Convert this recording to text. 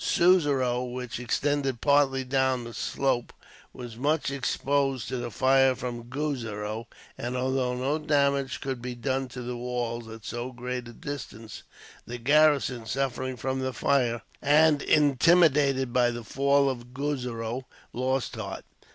Suzarow, which extended partly down the slope, was much exposed to the fire from Guzarow; and although no damage could be done to the walls at so great a distance, the garrison, suffering from the fire, and intimidated by the fall of Guzarow, lost heart.